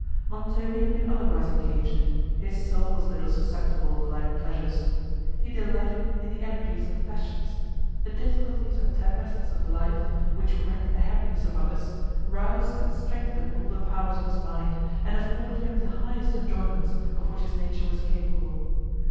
Montoni had been otherwise engaged; his soul was little susceptible of light pleasures. He delighted in the energies of the passions; the difficulties and tempests of life, which wreck the happiness of others, roused and strengthened all the powers of his mind, and afforded him the highest enjoyments, of which his nature was capable.